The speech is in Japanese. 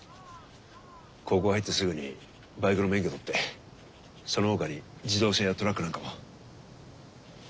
高校入ってすぐにバイクの免許取ってそのほかに自動車やトラックなんかも。